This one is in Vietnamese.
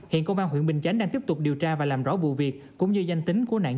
hiện công an huyện bình chánh đang tiếp tục điều tra và làm rõ vụ việc cũng như danh tính của nạn nhân